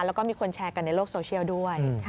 แล้วก็มีคนแชร์กันในโลกโซเชียลด้วย